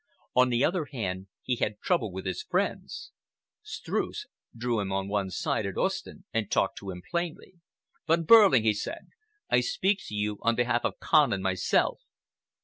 On the other hand, he had trouble with his friends. Streuss drew him on one side at Ostend, and talked to him plainly. "Von Behrling," he said, "I speak to you on behalf of Kahn and myself.